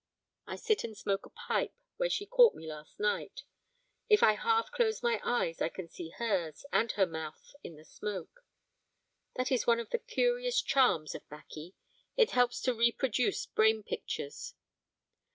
I sit and smoke a pipe where she caught me last night. If I half close my eyes I can see hers, and her mouth, in the smoke. That is one of the curious charms of baccy, it helps to reproduce brain pictures.